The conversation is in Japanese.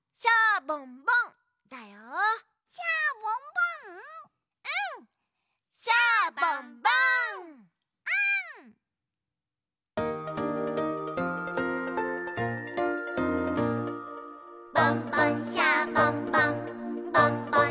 「ボンボン・シャボン・ボンボンボン・シャボン・ボン」